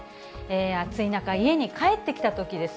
暑い中、家に帰ってきたときです。